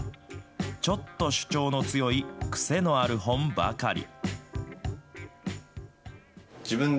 ちょっと主張の強いくせのある本ばかり。